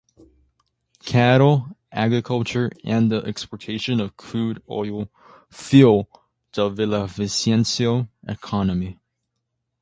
Cattle, agriculture, and the exportation of crude oil fuel the Villavicencio economy.